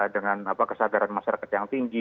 dengan kesadaran masyarakat yang tinggi